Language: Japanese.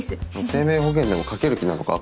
生命保険でもかける気なのか？